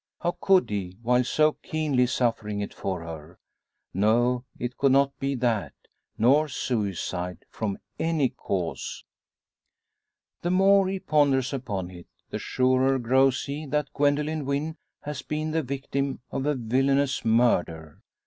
How could he, while so keenly suffering it for her! No, it could not be that; nor suicide from any cause. The more he ponders upon it, the surer grows he that Gwendoline Wynn has been the victim of a villainous murder.